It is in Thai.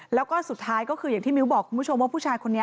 แล้วก็สุดท้ายก็คืออย่างที่มิ้วบอกคุณผู้ชมว่าผู้ชายคนนี้